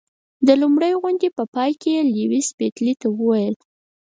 د لومړۍ غونډې په پای کې یې لیویس پیلي ته وویل.